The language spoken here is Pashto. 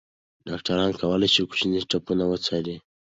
ډاکټران کولی شي کوچني ټپونه وڅاري.